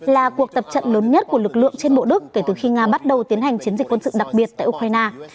là cuộc tập trận lớn nhất của lực lượng trên bộ đức kể từ khi nga bắt đầu tiến hành chiến dịch quân sự đặc biệt tại ukraine